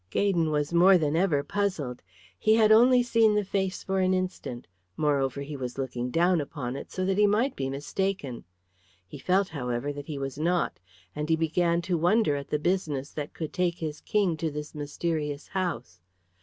Gaydon was more than ever puzzled. He had only seen the face for an instant; moreover, he was looking down upon it, so that he might be mistaken. He felt, however, that he was not, and he began to wonder at the business that could take his King to this mysterious house.